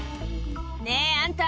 「ねぇあんた